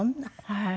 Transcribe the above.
はい。